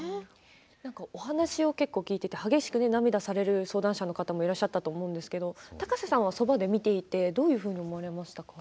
お話を聞いていて激しく涙される相談者もいらっしゃったと思うんですけど高瀬さんは、そばで見ていてどういうふうに思われましたか。